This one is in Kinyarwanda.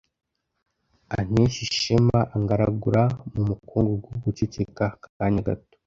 anteshe ishema angaragura mu mukungugu guceceka akanya gato